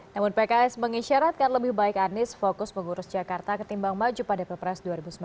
namun pks mengisyaratkan lebih baik anies fokus mengurus jakarta ketimbang maju pada pilpres dua ribu sembilan belas